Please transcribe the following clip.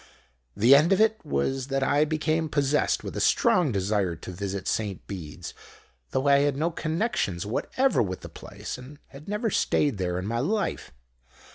The end of it was that I became possessed with a strong desire to visit St Beeds, though I had no connections whatever with the place, and had never stayed there in my life.